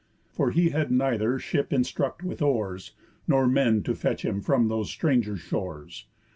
For he had neither ship instruct with oars, Nor men to fetch him from those stranger shores.